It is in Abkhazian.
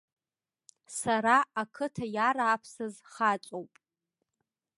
Сара ақыҭа иарааԥсаз хаҵоуп.